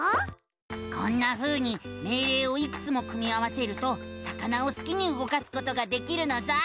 こんなふうに命令をいくつも組み合わせると魚をすきに動かすことができるのさ！